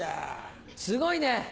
すごいね。